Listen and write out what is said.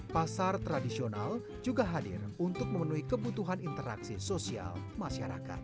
pasar tradisional juga hadir untuk memenuhi kebutuhan interaksi sosial masyarakat